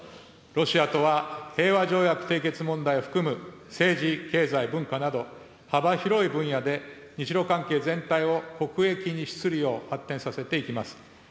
ロシアとは平和条約締結問題を含む政治、経済、文化など、幅広い分野で日ロ関係全体を国益に資するよう発展させていきます。